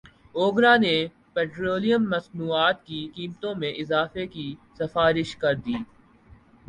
اوگرا نے پیٹرولیم مصنوعات کی قیمتوں میں اضافے کی سفارش کردی